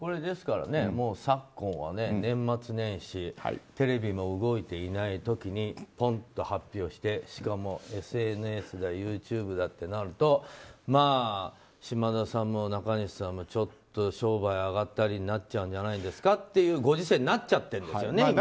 ですから、昨今は年末年始テレビも動いていない時にポンと発表してしかも、ＳＮＳだＹｏｕＴｕｂｅだとなるとまあ、島田さんも中西さんもちょっと商売あがったりになっちゃうんじゃないですかというご時世になっちゃっているわけですよね。